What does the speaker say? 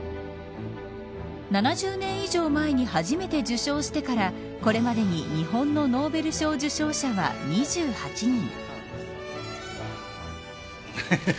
７０年以上前に初めて受賞してからこれまでに日本のノーベル賞受賞者は２８人。